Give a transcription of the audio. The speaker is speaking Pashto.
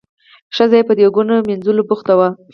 ښځه یې په دیګونو مینځلو بوخته وه.